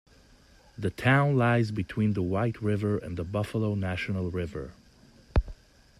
The town lies between the White River and the Buffalo National River.